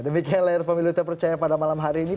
demikian layar pemilu terpercaya pada malam hari ini